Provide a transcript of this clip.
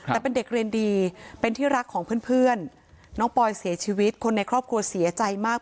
แต่เป็นเด็กเรียนดีเป็นที่รักของเพื่อนน้องปอยเสียชีวิตคนในครอบครัวเสียใจมาก